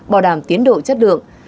bảo đảm tiến độ chất lượng